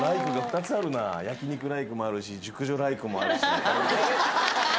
焼肉ライクもあるし熟女ライクもあるし